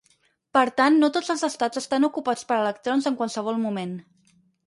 Per tant, no tots els estats estan ocupats per electrons en qualsevol moment.